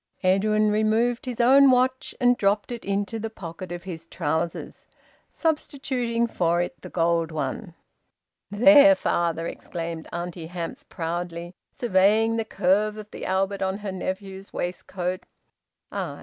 Edwin removed his own watch and dropped it into the pocket of his trousers, substituting for it the gold one. "There, father!" exclaimed Auntie Hamps proudly, surveying the curve of the Albert on her nephew's waistcoat. "Ay!"